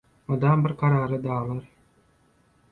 Mydam bir kararly daglar